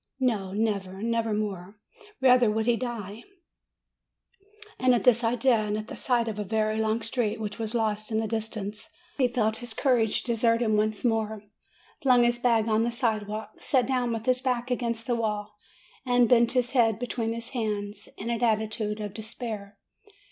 No; never, never more rather would he die ! And at this idea, and at the sight of the very long street which was lost in the distance of the boundless plain, he felt his courage desert him once more, flung his bag on the sidewalk, sat down with his back against the wall, and bent his head be tween his hands, in an attitude of despair.